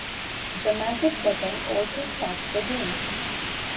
The Magic button also starts the game.